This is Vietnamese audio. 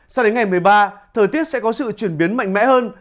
sao đến ngày một mươi ba thời tiết sẽ có sự chuyển biến mạnh mẽ hơn